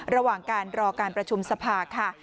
ระหว่างการรอการประชุมสภาค่ะ